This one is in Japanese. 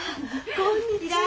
こんにちは。